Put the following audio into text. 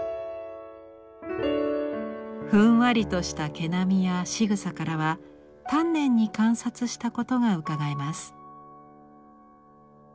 ふんわりとした毛並みやしぐさからは丹念に観察したことがうかがえます。